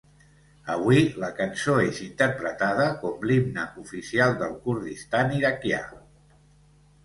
Avui la cançó és interpretada com l'himne oficial del Kurdistan iraquià.